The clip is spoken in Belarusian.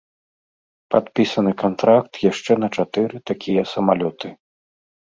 Падпісаны кантракт яшчэ на чатыры такія самалёты.